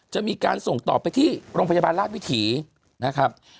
จะมีการส่งต่อไปที่โรงพยาบาลราชวิถีนะครับ